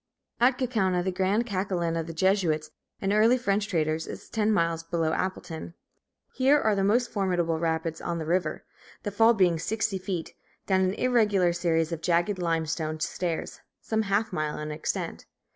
Kaukauna, the Grand Kackalin of the Jesuits and early French traders, is ten miles below Appleton. Here are the most formidable rapids on the river, the fall being sixty feet, down an irregular series of jagged limestone stairs some half mile in extent.